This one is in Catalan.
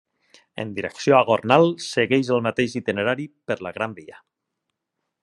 En direcció a Gornal segueix el mateix itinerari per la Gran Via.